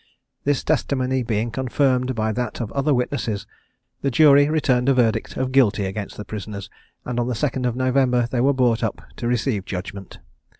This testimony being confirmed by that of other witnesses, the jury returned a verdict of guilty against the prisoners, and on the 2nd November they were brought up to receive judgment.